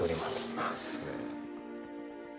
そうなんですね。